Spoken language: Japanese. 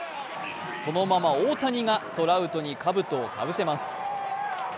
そのまま大谷がトラウトにかぶとをかぶせます。